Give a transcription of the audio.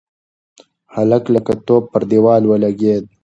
هلک لکه توپ پر دېوال ولگېد.